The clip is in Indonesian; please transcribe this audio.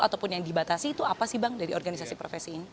ataupun yang dibatasi itu apa sih bang dari organisasi profesi ini